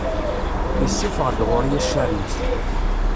Yessufeɣ-d ɣur-i accaren-is.